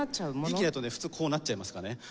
元気ないとね普通こうなっちゃいますかね。